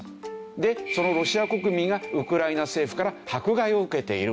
でそのロシア国民がウクライナ政府から迫害を受けている。